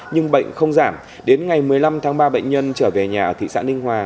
nhưng bệnh không giảm đến ngày một mươi năm tháng ba bệnh nhân trở về nhà ở thị xã ninh hòa